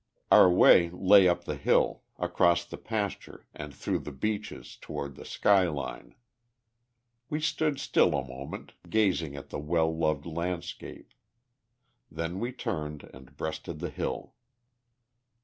Our way lay up the hill, across the pasture and through the beeches, toward the sky line. We stood still a moment, gazing at the well loved landscape. Then we turned and breasted the hill.